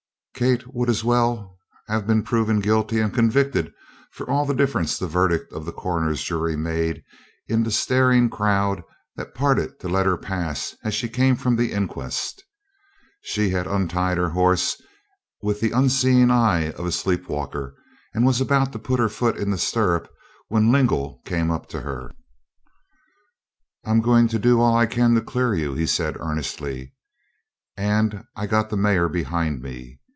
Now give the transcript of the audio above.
Kate would as well have been proven guilty and convicted, for all the difference the verdict of the coroner's jury made in the staring crowd that parted to let her pass as she came from the inquest. She had untied her horse with the unseeing eyes of a sleep walker and was about to put her foot in the stirrup when Lingle came up to her. "I'm goin' to do all I can to clear you," he said, earnestly, "and I got the mayor behind me.